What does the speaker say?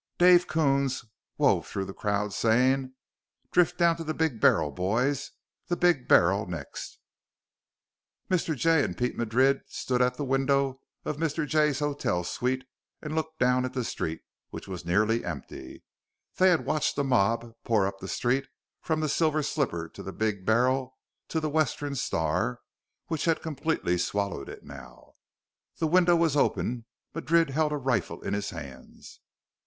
Dave Coons wove through the crowd then, saying, "Drift down to the Big Barrel, boys.... The Big Barrel next...." Mr. Jay and Pete Madrid stood at a window of Mr. Jay's hotel suite and looked down at the street, which was nearly empty. They had watched the mob pour up the street from the Silver Slipper to the Big Barrel to the Western Star, which had completely swallowed it now. The window was open. Madrid held a rifle in his hands.